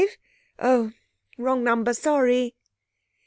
Oh wrong number sorry....